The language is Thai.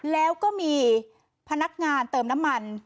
แล้วก็มีพนักงานเติมน้ำมัน